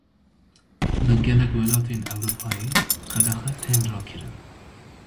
Li gelek welatên Ewropayê qedexe tên rakirin.